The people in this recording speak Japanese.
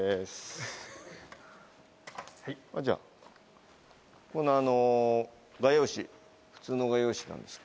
じゃあこのあの画用紙普通の画用紙なんですけど。